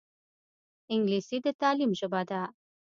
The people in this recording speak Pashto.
انګلیسي د تعلیم ژبه ده